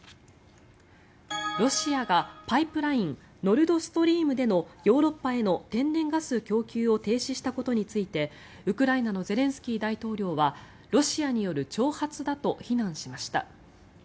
ロシアがパイプラインノルド・ストリームでのヨーロッパへの天然ガス供給を停止したことについてウクライナのゼレンスキー大統領はロシアによる挑発だと非難しました。